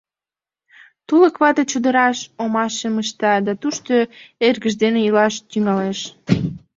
Тулык вате чодыраш омашым ышта да тушто эргыж дене илаш тӱҥалеш.